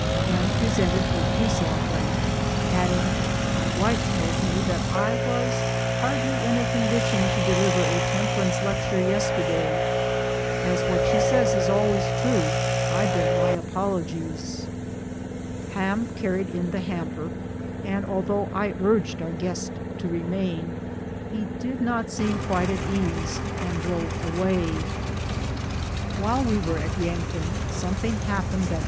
and presented a peace offering, adding, "My wife tells me that I was hardly in a condition to deliver a temperance lecture yesterday. As what she says is always true, I bring my apologies." Ham car ried in the hamper, and though I urged our guest to remain, he did not seem quite at ease and drove away. While we were at Yankton, something happened that 86 BOOTS AND SADDLES.